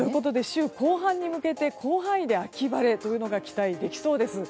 週後半に向けて広範囲で秋晴れが期待できそうです。